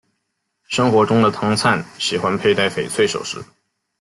生活中的汤灿喜欢佩戴翡翠首饰。